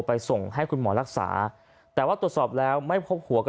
ส่งให้คุณหมอรักษาแต่ว่าตรวจสอบแล้วไม่พบหัวก็